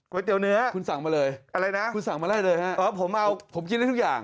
ก๋วยเตี๋ยวเนื้ออะไรนะคุณสั่งมาเลยฮะผมเอาผมกินได้ทุกอย่าง